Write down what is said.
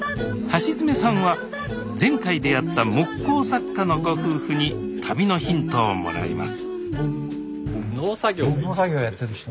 橋爪さんは前回出会った木工作家のご夫婦に旅のヒントをもらいます農作業やってる人。